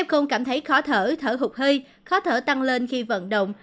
f cảm thấy khó thở thở hụt hơi khó thở tăng lên khi vận động